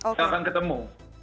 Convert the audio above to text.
nggak akan ketemu